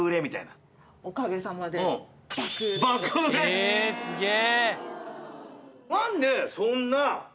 ええすげえ！